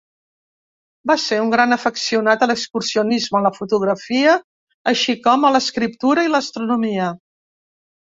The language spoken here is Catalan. Va ser un gran afeccionat a l'excursionisme, la fotografia així com a l'escriptura i l’astronomia.